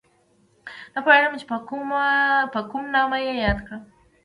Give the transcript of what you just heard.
نه پوهېږم چې په کوم نامه یې یاد کړم